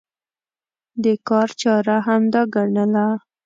د کار چاره همدا ګڼله.